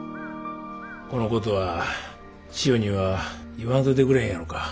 このことは千代には言わんといてくれへんやろか。